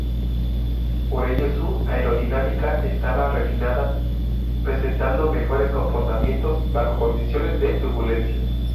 Por ello su aerodinámica estaba refinada, presentando mejores comportamientos bajo condiciones de turbulencia.